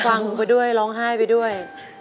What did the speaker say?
ฟังไปด้วยร้องไห้ไปด้วย